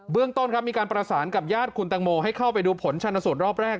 เรื่องต้นครับมีการประสานกับญาติคุณตังโมให้เข้าไปดูผลชนสูตรรอบแรก